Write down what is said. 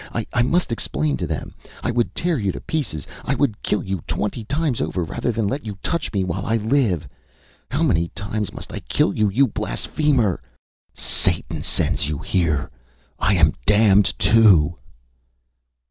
I must explain to them. ... I would tear you to pieces, I would kill you twenty times over rather than let you touch me while I live. How many times must I kill you you blasphemer! Satan sends you here. I am damned too!